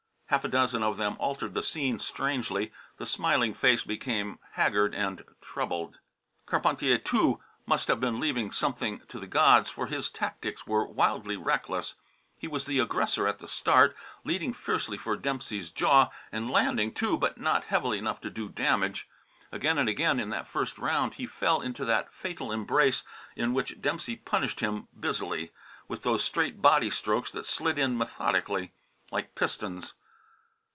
Half a dozen of them altered the scene strangely. The smiling face became haggard and troubled. Carpentier, too, must have been leaving something to the gods, for his tactics were wildly reckless. He was the aggressor at the start, leading fiercely for Dempsey's jaw, and landing, too, but not heavily enough to do damage. Again and again in that first round he fell into the fatal embrace in which Dempsey punished him busily, with those straight body strokes that slid in methodically, like pistons.